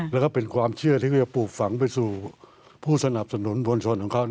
แล้วก็เป็นความเชื่อที่เขาจะปลูกฝังไปสู่ผู้สนับสนุนมวลชนของเขา